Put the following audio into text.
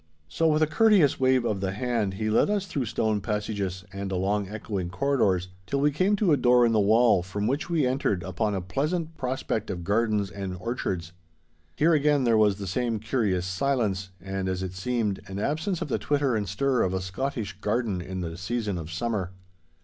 So with a courteous wave of the hand, he led us through stone passages and along echoing corridors, till we came to a door in the wall, from which we entered upon a pleasant prospect of gardens and orchards. Here again there was the same curious silence, and, as it seemed, an absence of the twitter and stir of a Scottish garden in the season of summer.